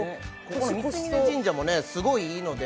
三峯神社もすごいいいので。